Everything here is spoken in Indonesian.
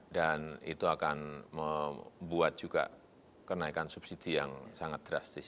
dan itu akan membuat juga kenaikan subsidi yang sangat drastis